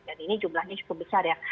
dan ini jumlahnya cukup besar ya